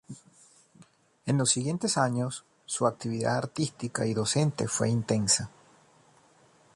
En los siguientes años su actividad artística y docente fue intensa.